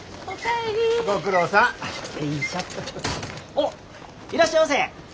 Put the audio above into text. おっいらっしゃいませ！